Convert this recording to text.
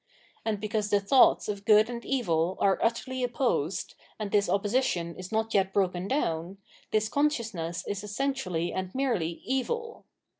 And because the thoughts of good and evil are utterly opposed, and this opposition is not yet broken down, this consciousness is essentially and merely evil.